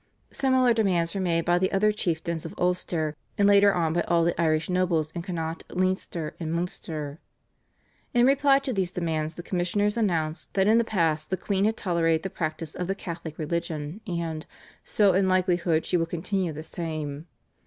Similar demands were made by the other chieftains of Ulster, and later on by all the Irish nobles in Connaught, Leinster, and Munster. In reply to these demands the commissioners announced that in the past the queen had tolerated the practice of the Catholic religion, and "so in likelihood she will continue the same."